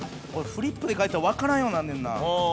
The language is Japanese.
フリップに書いたらわからんようになんねんな。